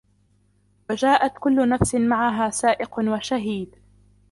وَجَاءَتْ كُلُّ نَفْسٍ مَعَهَا سَائِقٌ وَشَهِيدٌ